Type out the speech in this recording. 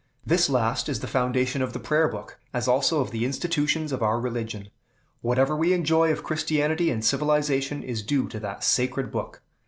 This last is the foundation of the Prayer book, as also of the institutions of our religion. Whatever we enjoy of Christianity and civilization is due to that sacred Book.